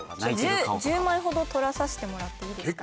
１０枚ほど撮らさしてもらっていいですか？